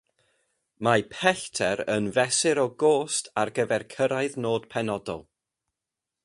Mae "Pellter" yn fesur o'r gost ar gyfer cyrraedd nod penodol.